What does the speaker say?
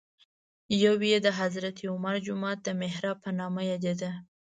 یو یې د حضرت عمر جومات د محراب په نامه یادېده.